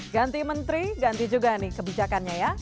ganti menteri ganti juga nih kebijakannya ya